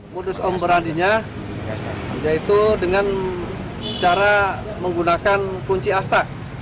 modus om berandinya yaitu dengan cara menggunakan kunci astak